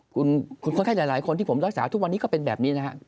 คุณคนไข้หลายคนที่ผมรักษาทุกวันนี้ก็เป็นแบบนี้นะครับ